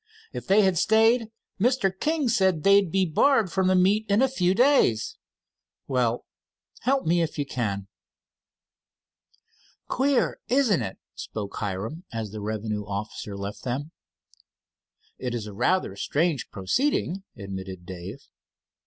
"If they had stayed, Mr. King said they'd be barred from the meets in a few days." "Well, help me all you can." "Queer, isn't it?" spoke Hiram, as the revenue officer left them. "It is a rather strange proceeding," admitted Dave.